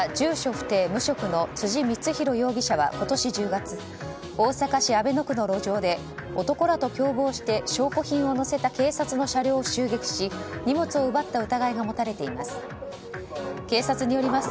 不定・無職の辻充宏容疑者は今年１０月大阪市阿倍野区の路上で男らと共謀して証拠品を乗せた警察の車両を襲撃し、荷物を奪った疑いが持たれています。